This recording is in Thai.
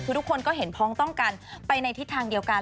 คือทุกคนก็เห็นพ้องต้องกันไปในทิศทางเดียวกัน